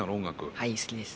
はい好きです。